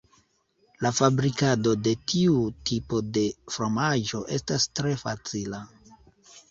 La fabrikado de tiu tipo de fromaĝo estas tre facila.